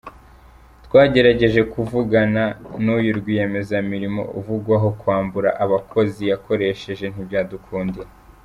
Twagerageje kuvugana n’uyu rwiyemezamirimo uvugwaho kwambura abakozi yakoresheje ntibyadukundira.